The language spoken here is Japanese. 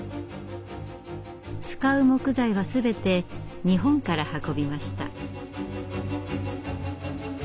使う木材は全て日本から運びました。